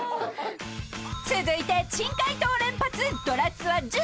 ［続いて珍回答連発！］